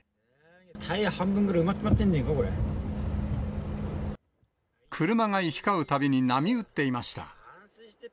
タイヤ半分ぐらい埋まってる車が行き交うたびに、波打っていました。